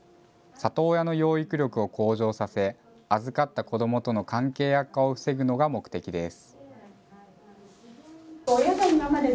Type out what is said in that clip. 里親の養育力を向上させ預かった子どもとの関係悪化を防ぐのが目的です。